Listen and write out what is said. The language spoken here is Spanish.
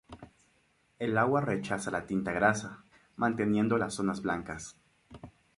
El agua rechaza la tinta grasa, manteniendo las zonas blancas.